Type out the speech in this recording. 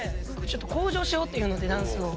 向上しようっていうのでダンスを